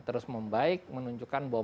terus membaik menunjukkan bahwa